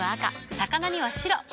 魚には白。